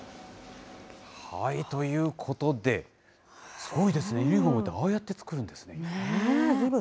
ということで、すごいですね、ユニホームってああやって作るんですね。